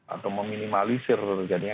atau meminimalisir jadinya